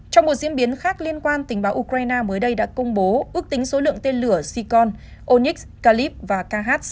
trong một diễn biến khác liên quan tình báo ukraine mới đây đã công bố ước tính số lượng tên lửa sikon onyx kalib và kh sáu mươi chín